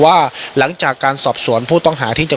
ว่าหลังจากการสอบสวนผู้ต้องหาที่จะ